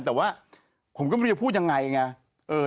แต่ว่าผมก็ไม่รู้จะพูดยังไงไง